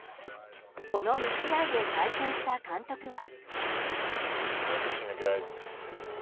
この２試合で対戦した監督は。